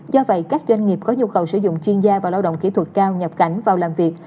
do vậy các doanh nghiệp có nhu cầu sử dụng chuyên gia và lao động kỹ thuật cao nhập cảnh vào làm việc